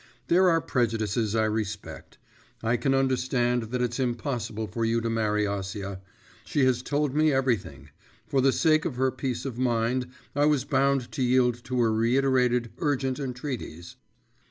There are prejudices I respect; I can understand that it's impossible for you to marry Acia. She has told me everything; for the sake of her peace of mind, I was bound to yield to her reiterated urgent entreaties.